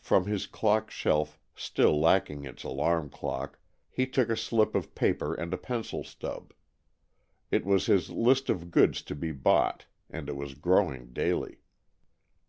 From his clock shelf still lacking its alarm clock he took a slip of paper and a pencil stub. It was his list of goods to be bought, and it was growing daily.